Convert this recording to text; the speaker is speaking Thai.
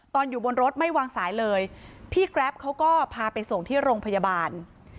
อยู่บนรถไม่วางสายเลยพี่แกรปเขาก็พาไปส่งที่โรงพยาบาล